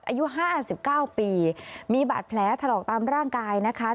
อายุ๕๙ปีมีบาดแผลถลอกตามร่างกายนะคะ